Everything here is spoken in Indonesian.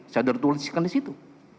saudara tuliskan disitu